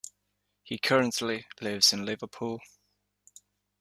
He currently lives in Liverpool.